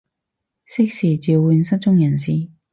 適時召喚失蹤人士